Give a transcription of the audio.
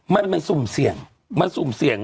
มันสุ่มเสี่ยงมันสุ่มเสี่ยง